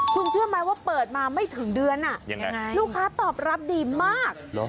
คุณเชื่อไหมว่าเปิดมาไม่ถึงเดือนลูกค้าตอบรับดีมาก